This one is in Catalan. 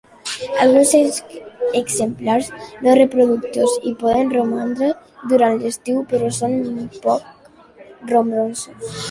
Alguns exemplars no reproductors hi poden romandre durant l'estiu, però són poc nombrosos.